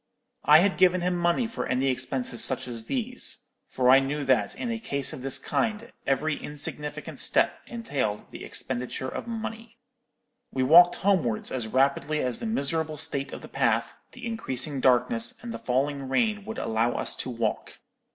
I had given him money for any expenses such as these; for I knew that, in a case of this kind, every insignificant step entailed the expenditure of money. "We walked homewards as rapidly as the miserable state of the path, the increasing darkness, and the falling rain would allow us to walk.